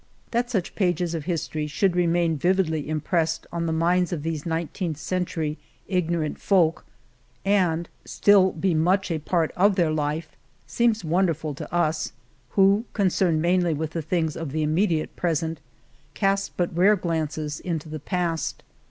That such pages of history should remain vividly impressed on the minds of these nine teenth century ignorant folk, and still be so ••••.•••• Monteil much a part of their life, seems wonderful to us who, concerned mainly with the things of the immediate present, cast but rare glances into the past.